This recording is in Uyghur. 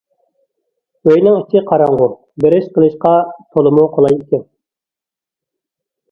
ئۆينىڭ ئىچى قاراڭغۇ، بىر ئىش قىلىشقا تولىمۇ قولاي ئىكەن.